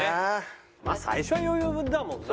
まあ最初余裕だもんな。